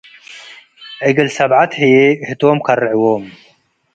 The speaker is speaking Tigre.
እግል ሰብዐት ህይ ህቶም ከርዐዎም።